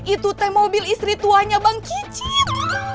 itu teh mobil istri tuanya bang kicin